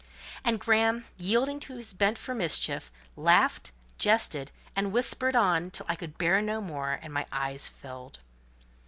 And Graham, yielding to his bent for mischief, laughed, jested, and whispered on till I could bear no more, and my eyes filled.